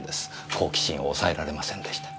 好奇心を抑えられませんでした。